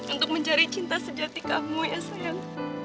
untuk mencari cinta sejati kamu ya sayang